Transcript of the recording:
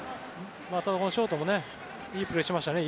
ショートもいいプレーしましたね。